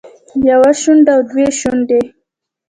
يوه شونډه او دوه شونډې